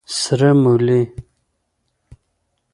🫜 سره مولي